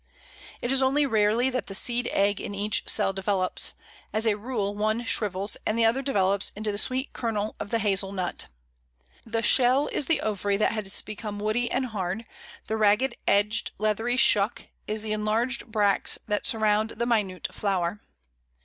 It is only rarely that the seed egg in each cell develops; as a rule one shrivels, and the other develops into the sweet "kernel" of the Hazel nut. The shell is the ovary that has become woody and hard; the ragged edged leathery "shuck" is the enlarged bracts that surrounded the minute flower.